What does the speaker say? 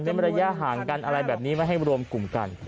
ระยะห่างกันอะไรแบบนี้ไม่ให้รวมกลุ่มกัน